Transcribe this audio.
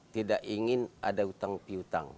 tidak ingin ada utang